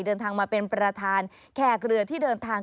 เดินทางมาเป็นประธานแขกเรือที่เดินทาง